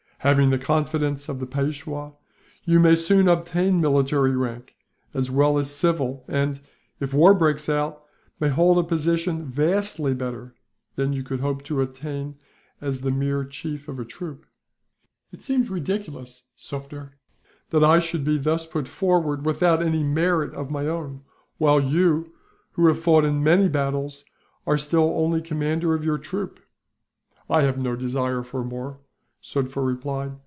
"Having the confidence of the Peishwa, you may soon obtain military rank, as well as civil and, if war breaks out, may hold a position vastly better than you could hope to attain to as the mere chief of a troop." "It seems very ridiculous, Sufder, that I should be thus put forward, without any merit of my own; while you, who have fought in many battles, are still only commander of your troop." "I have no desire for more," Sufder replied.